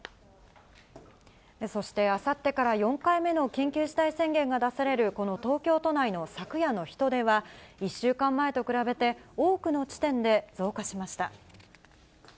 そしてあさってから４回目の緊急事態宣言が出されるこの東京都内の昨夜の人出は、１週間前と比べて、多くの地点で増加しました。